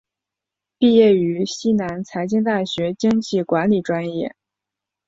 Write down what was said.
毕业于西南财经大学经济管理专业。